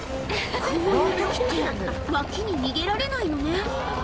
こういう時って脇に逃げられないのね